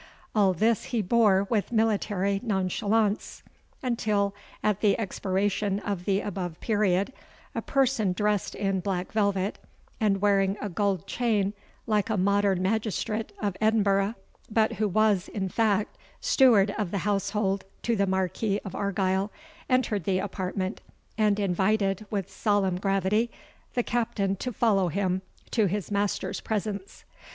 All this he bore with military nonchalance, until, at the expiration of the above period, a person dressed in black velvet, and wearing a gold chain like a modern magistrate of Edinburgh, but who was, in fact, steward of the household to the Marquis of Argyle, entered the apartment, and invited, with solemn gravity, the Captain to follow him to his master's presence.